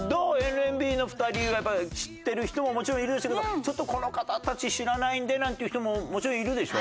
ＮＭＢの２人はやっぱ知ってる人ももちろんいるでしょうけどちょっとこの方たち知らないんでなんていう人ももちろんいるでしょ？